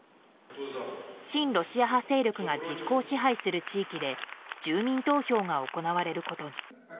親ロシア派勢力が実効支配する地域で住民投票が行われることに。